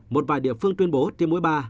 một vài địa phương tuyên bố tiêm mũi ba